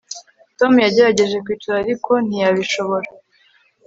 Tom yagerageje kwicara ariko ntiyabishobora